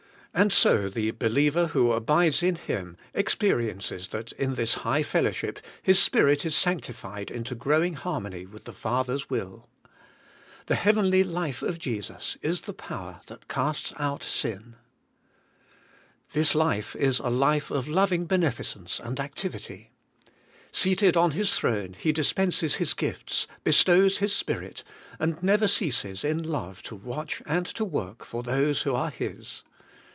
And so the believer who abides in Him experiences that in this high fellowship his spirit is sanctified into growing harmony with the Father's will. The heavenly life of Jesus is the power that casts out sin. This life is a life of loving beneficence and activity. 233 ABIDE IN CHRIST: Seated on His throne, He dispenses His gifts, bestows His spirit, and never ceases in love to watch and to work for those who are His.